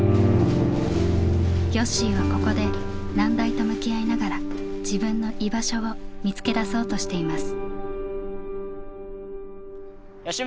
よっしーはここで難題と向き合いながら自分の「居場所」を見つけだそうとしています。